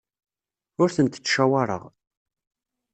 Ur tent-ttcawaṛeɣ.